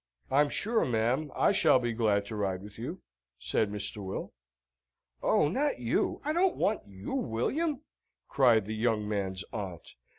"I'm sure, ma'am, I shall be glad to ride with you," said Mr. Will. "Oh, not you! I don't want you, William," cried the young man's aunt.